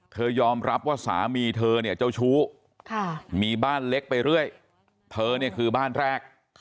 ยอมรับว่าสามีเธอเนี่ยเจ้าชู้มีบ้านเล็กไปเรื่อยเธอเนี่ยคือบ้านแรก